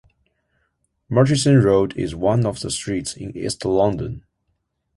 Murchison Road is one of the streets in East London.